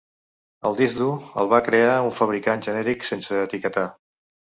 El disc dur el va crear un fabricant genèric sense etiquetar.